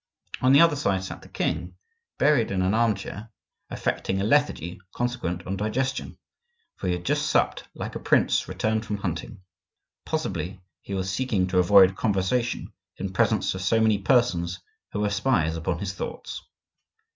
On the other side sat the king, buried in an arm chair, affecting a lethargy consequent on digestion,—for he had just supped like a prince returned from hunting; possibly he was seeking to avoid conversation in presence of so many persons who were spies upon his thoughts.